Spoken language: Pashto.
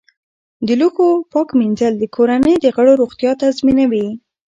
د لوښو پاک مینځل د کورنۍ د غړو روغتیا تضمینوي.